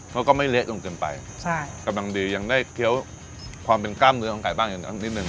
เขาก็ไม่เละจนเกินไปใช่กำลังดียังได้เคี้ยวความเป็นกล้ามเนื้อของไก่บ้างอยู่นิดนึ